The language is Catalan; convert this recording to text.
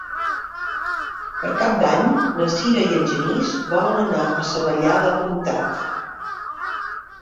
Per Cap d'Any na Sira i en Genís volen anar a Savallà del Comtat.